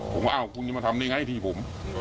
ผมก็อ้าวคุณจะมาทำได้ไงพี่ผม